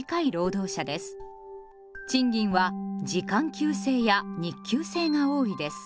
賃金は時間給制や日給制が多いです。